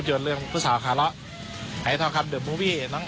ภาพยนตร์เรื่องนี้นะคะคาดว่าจะใช้ระยะเวลาในการถ่ายธรรมประมาณ๒เดือนเสร็จนะคะ